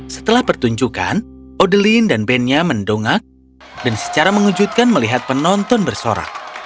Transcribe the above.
setelah pertunjukan odeline dan bandnya mendongak dan secara mengejutkan melihat penonton bersorak